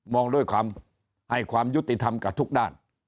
ด้วยความให้ความยุติธรรมกับทุกด้าน